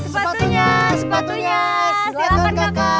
sepatunya sepatunya silakan kakak